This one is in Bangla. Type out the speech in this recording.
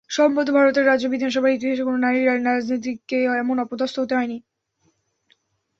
সম্ভবত ভারতের রাজ্য বিধানসভার ইতিহাসে কোনো নারী রাজনীতিককে এমন অপদস্থ হতে হয়নি।